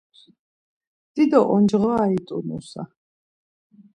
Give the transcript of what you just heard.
Dido oncğoryari t̆u nusa.